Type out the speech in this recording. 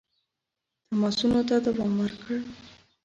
تماسونو ته دوام ورکړ.